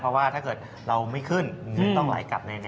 เพราะว่าถ้าเกิดเราไม่ขึ้นต้องไหลกลับแน่